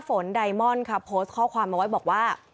โฝ่นดายมอนด์ค่ะโพสต์ข้อความมาไว้บอกว่า